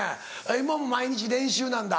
今も毎日練習なんだ。